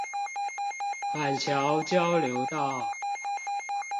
板橋交流道